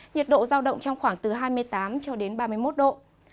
nhiệt độ giao động trong khoảng từ hai mươi tám cho đến ba mươi một độ